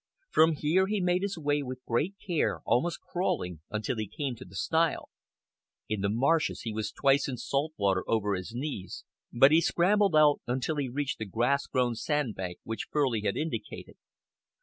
From here he made his way with great care, almost crawling, until he came to the stile. In the marshes he was twice in salt water over his knees, but he scrambled out until he reached the grass grown sand bank which Furley had indicated.